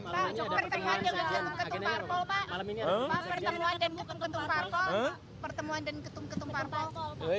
pak pertemuan dan ketung parpor pak